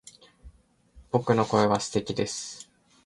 僕の声は素敵です